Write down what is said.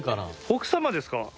奥様ですか？